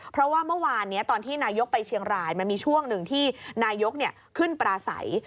เพราะว่าเมื่อวานนี้ตอนที่นายกไปเชียงรายมันมีช่วงหนึ่งที่นายกขึ้นปราศัย